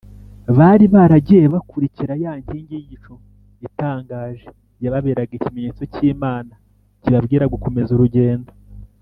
bari baragiye bakurikira ya nkingi y’igicu itangaje yababeraga ikimenyetso cy’imana kibabwira gukomeza urugendo